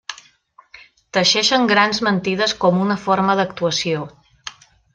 Teixeixen grans mentides com una forma d'actuació.